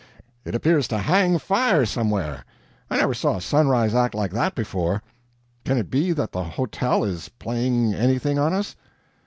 It appears to hang fire somewhere. I never saw a sunrise act like that before. Can it be that the hotel is playing anything on us?"